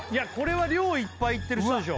量いっぱいいってる人でしょ